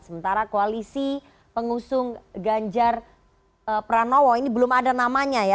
sementara koalisi pengusung ganjar pranowo ini belum ada namanya ya